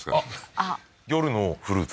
あっ夜のフルーツ